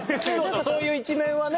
そういう一面はね